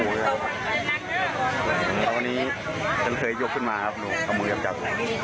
คันวันนี้เป็นเคยหยุกขึ้นมาครับออกมือให้จับ